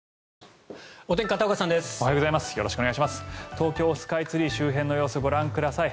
東京スカイツリー周辺の様子ご覧ください。